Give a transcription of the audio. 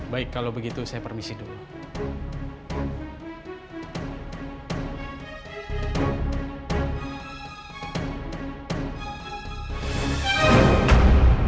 baik kalau begitu saya permisi dulu